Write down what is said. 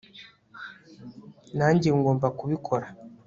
nanjye ngomba kubikora